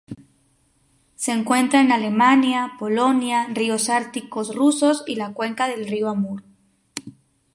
Se encuentra en Alemania, Polonia, ríos árticos rusos y la cuenca del río Amur.